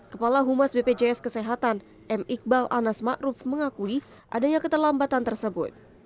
kepala humas bpjs kesehatan m iqbal anas ma'ruf mengakui adanya keterlambatan tersebut